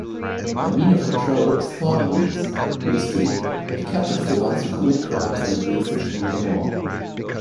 Their mean of control is Thought Police (Newspeak) that captures the ones who commit crimes and brings them to MinAmor.